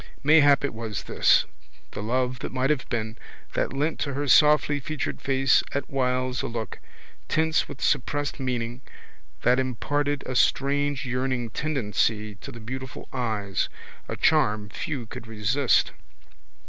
Mayhap it was this, the love that might have been, that lent to her softlyfeatured face at whiles a look, tense with suppressed meaning, that imparted a strange yearning tendency to the beautiful eyes, a charm few could resist.